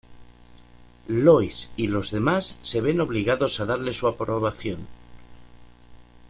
Lois y los demás se ven obligados a darle su aprobación.